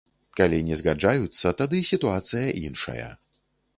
Калі не згаджаюцца, тады сітуацыя іншая.